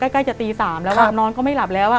ใกล้จะตี๓แล้วนอนก็ไม่หลับแล้ว